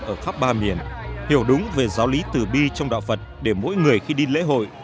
ở khắp ba miền hiểu đúng về giáo lý từ bi trong đạo phật để mỗi người khi đi lễ hội